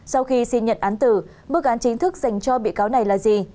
sau khi xin nhận án tử mức án chính thức dành cho bị cáo này là gì